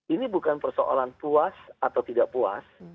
ini bukan persoalan puas atau tidak puas